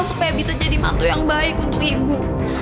supaya bisa jadi mantu yang baik untuk ibu